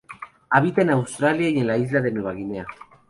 Habita en Australia y en la isla de Nueva Guinea.